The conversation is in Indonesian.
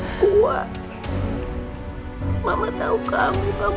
aku gak akan maafin mereka